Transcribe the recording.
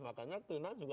makanya tina juga tidak bisa